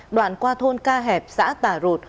đoạn qua thôn ca hẹp xã tà rột